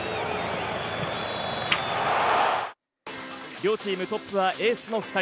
両チームトップはエースの２人。